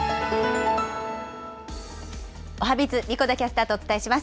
おはＢｉｚ、神子田キャスターとお伝えします。